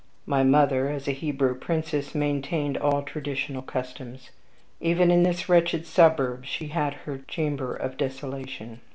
My mother, as a Hebrew princess, maintained all traditional customs. Even in this wretched suburb she had her 'chamber of desolation.'